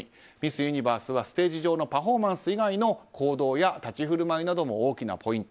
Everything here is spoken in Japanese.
・ユニバースはステージ上のパフォーマンス以外の行動や立ち振る舞いなども大きなポイント。